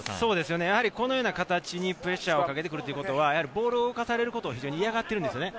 このような形にプレッシャーをかけてくるということはボールを動かされることを嫌がってるんですね。